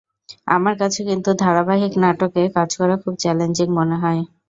আমার কাছে কিন্তু ধারাবাহিক নাটকে কাজ করা খুব চ্যালেঞ্জিং মনে হয়।